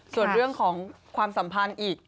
ส่วนเรื่องของความสัมพันธ์อีก